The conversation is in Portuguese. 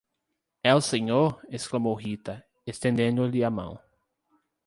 É o senhor? exclamou Rita, estendendo-lhe a mão.